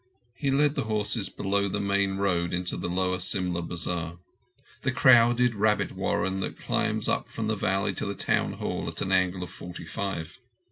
He led the horses below the main road into the lower Simla bazar—the crowded rabbit warren that climbs up from the valley to the Town Hall at an angle of forty five.